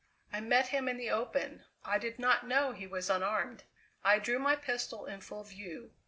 "I met him in the open; I did not know he was unarmed. I drew my pistol in full view.